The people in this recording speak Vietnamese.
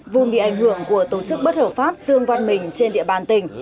vùng bị ảnh hưởng của tổ chức bất hợp pháp dương văn mình trên địa bàn tỉnh